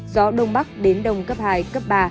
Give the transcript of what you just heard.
gió đông bắc đến đông cấp hai cấp ba